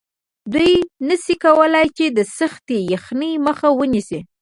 دوی نشي کولی چې د سختې یخنۍ مخه ونیسي